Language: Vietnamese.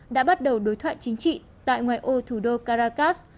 đã bắt đầu đối thoại chính trị tại ngoại ô thủ đô caracas